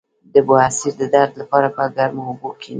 د بواسیر د درد لپاره په ګرمو اوبو کینئ